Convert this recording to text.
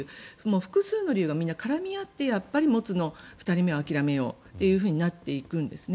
複数の理由がみんな絡み合ってやっぱり、２人目は諦めようとなっていくんですねね。